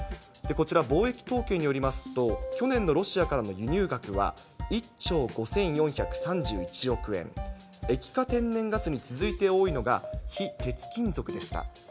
こちら、貿易統計によりますと、去年のロシアからの輸入額は、１兆５４３１億円、液化天然ガスに続いて多いのが、非鉄金属でした。